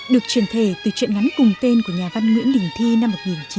được truyền thể từ truyện ngắn cùng tên của nhà văn nguyễn đình thi năm một nghìn chín trăm sáu mươi năm